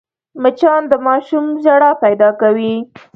مچان د ماشوم ژړا پیدا کوي